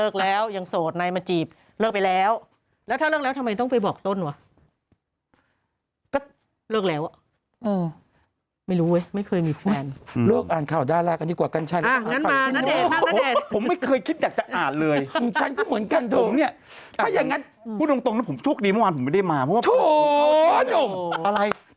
เขาสนใจตรงอื่นแล้วแหละ